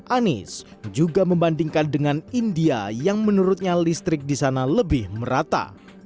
anies juga membandingkan dengan india yang menurutnya listrik di sana lebih merata